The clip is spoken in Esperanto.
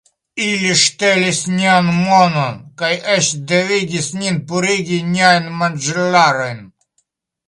Ili ŝtelis nian monon kaj eĉ devigis nin purigi niajn manĝilarojn